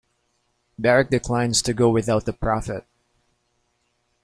Barak declines to go without the prophet.